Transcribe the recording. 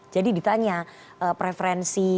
jadi ditanya preferensi